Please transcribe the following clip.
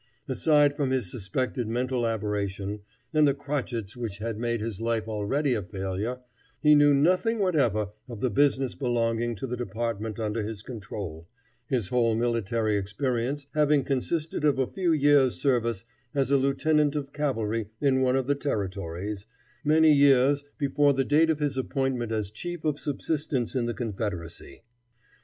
Aside from his suspected mental aberration, and the crotchets which had made his life already a failure, he knew nothing whatever of the business belonging to the department under his control, his whole military experience having consisted of a few years' service as a lieutenant of cavalry in one of the Territories, many years before the date of his appointment as chief of subsistence in the Confederacy.